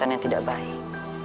yang tidak baik